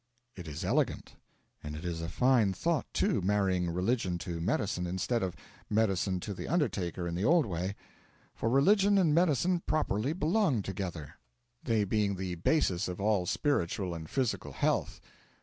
'It is elegant. And it is a fine thought, too marrying religion to medicine, instead of medicine to the undertaker in the old way; for religion and medicine properly belong together, they being the basis of all spiritual and physical health.